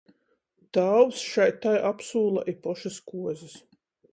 Tāvs šai tai apsūla i pošys kuozys.